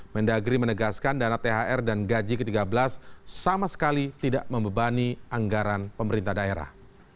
mendagri menegaskan dana thr dan gaji ke tiga belas sama sekali tidak membebani anggaran pemerintah daerah